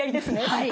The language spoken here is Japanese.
はい。